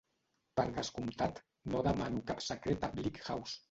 Per descomptat, no demano cap secret a Bleak House.